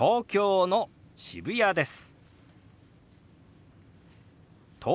東京の渋谷です。